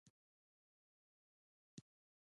زیره په خوړو کې خوند پیدا کوي